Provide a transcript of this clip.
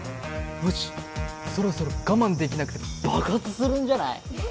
ノジそろそろ我慢できなくて爆発するんじゃない？